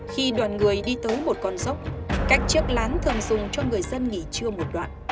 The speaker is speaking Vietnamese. khi đoàn người đi tấu một con dốc cách chiếc lán thường dùng cho người dân nghỉ trưa một đoạn